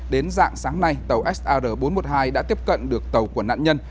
đến dạng sáng nay tàu sr bốn trăm một mươi hai đã tiếp cận được tàu của nạn nhân